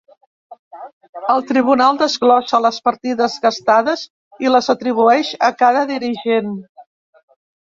El tribunal desglossa les partides gastades i les atribueix a cada dirigent.